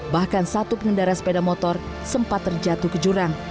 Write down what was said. bahkan satu pengendara sepeda motor sempat terjatuh ke jurang